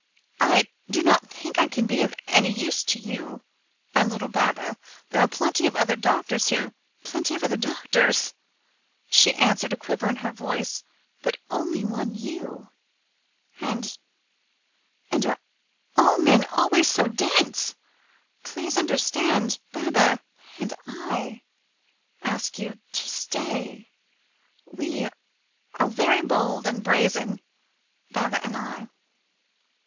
"I do not think I can be of any use to you and little Baba. There are plenty of other doctors who " "Plenty of other doctors," she answered, a quiver in her voice; "but only one you and and are all men always so dense? Please understand, Baba and I ask you to stay. We are very bold and brazen Baba and I!"